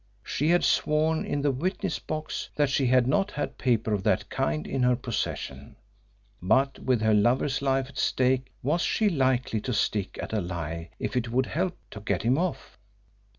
She had sworn in the witness box that she had not had paper of that kind in her possession, but with her lover's life at stake was she likely to stick at a lie if it would help to get him off?